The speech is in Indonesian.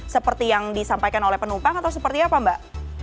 seperti yang disampaikan oleh penumpang atau seperti apa mbak